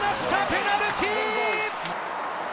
ペナルティー！